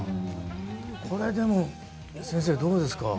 これ先生、どうですか？